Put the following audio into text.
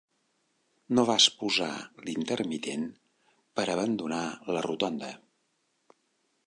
No vas posar l'intermitent per abandonar la rotonda.